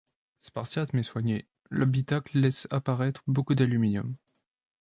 Spartiate mais soigné, l'habitacle laisse apparaître beaucoup d'aluminium.